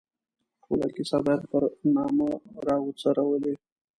ټوله کیسه باید پر نامه را وڅورلي.